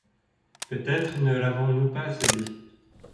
Peut-être ne l’avons-nous pas assez dit.